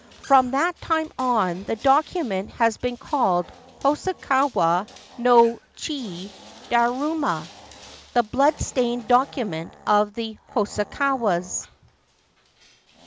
From that time on, the document has been called ' Hosokawa no chi daruma '— the blood stained document of the Hosokawas.